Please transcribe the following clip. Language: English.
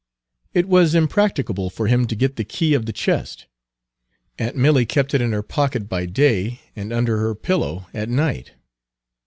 It was impracticable for him to get the key of the chest. Aunt Milly kept it in her pocket by day and under her pillow at night.